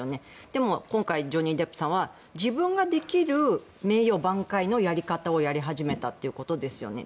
でも、今回ジョニー・デップさんは自分ができる名誉ばん回のやり方をやり始めたということですよね。